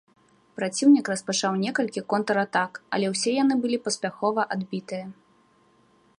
Праціўнік распачаў некалькі контратак, але ўсе яны былі паспяхова адбітыя.